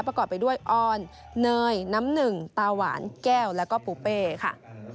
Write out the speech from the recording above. ประกอบไปด้วยออนเนยน้ำหนึ่งตาหวานแก้วแล้วก็ปูเป้ค่ะ